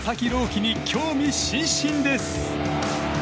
希に興味津々です。